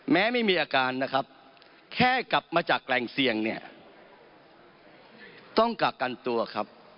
ไม่มีอาการนะครับแค่กลับมาจากแหล่งเสี่ยงเนี่ยต้องกักกันตัวครับ